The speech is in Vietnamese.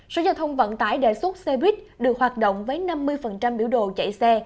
sở giao thông vận tải đề xuất xe buýt được hoạt động với năm mươi biểu đồ chạy xe